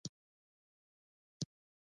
دغو سوالونو ته جواب غواړي.